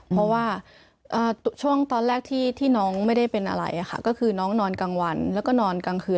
เพราะว่าช่วงตอนแรกที่น้องไม่ได้เป็นอะไรค่ะก็คือน้องนอนกลางวันแล้วก็นอนกลางคืน